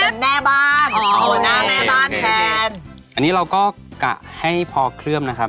เดี๋ยวอันนี้เก็บให้นะเชฟขอบคุณครับ